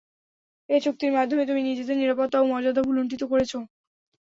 এ চুক্তির মাধ্যমে তুমি নিজেদের নিরাপত্তা ও মর্যাদা ভূলুণ্ঠিত করেছ।